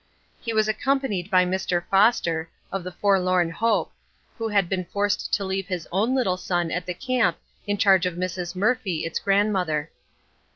He was accompanied by Mr. Foster, of the Forlorn Hope, who had been forced to leave his own little son at the camp in charge of Mrs. Murphy, its grandmother.